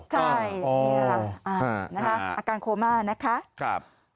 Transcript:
ใช่นี่ค่ะอาการโคม่านะคะ